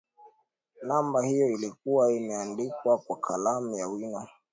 namba hiyo ilikuwa imeandikwa kwa kalamu ya wino